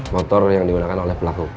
motor yang digunakan oleh pelaku